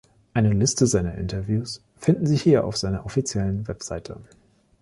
Eine Liste seiner Interviews finden Sie hier auf seiner offiziellen Website.